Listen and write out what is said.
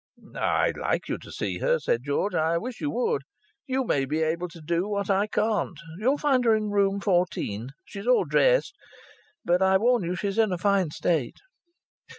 "I'd like you to see her," said George. "I wish you would. You may be able to do what I can't. You'll find her in Room 14. She's all dressed. But I warn you she's in a fine state."